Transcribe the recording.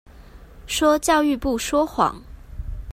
說教育部說謊